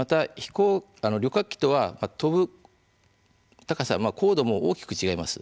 旅客機とは飛ぶ高さ高度も大きく違います。